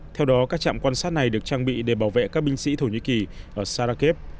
theo đó các trạm quan sát này được trang bị để bảo vệ các binh sĩ thổ nhĩ kỳ ở sarakev